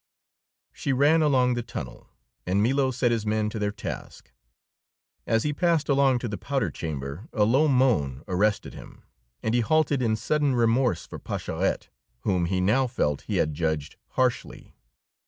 She ran along the tunnel, and Milo set his men to their task. As he passed along to the powder chamber, a low moan arrested him, and he halted in sudden remorse for Pascherette, whom he now felt he had judged harshly.